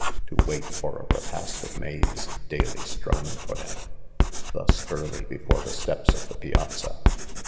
to wait for a repast of maize, , daily strown for them, thus early, before the steps of : the .piazza.